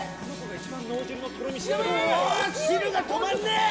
汁が止まんねえ。